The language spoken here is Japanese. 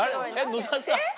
野沢さん？